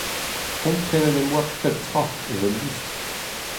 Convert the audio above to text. Komprenet em boa pep tra, evel-just.